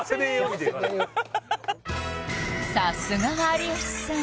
さすが有吉さん